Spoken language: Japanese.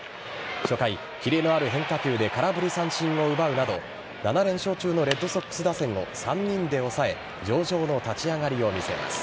初回、キレのある変化球で空振り三振を奪うなど７連勝中のレッドソックス打線を３人で抑え上々の立ち上がりを見せます。